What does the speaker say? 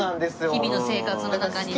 日々の生活の中にね。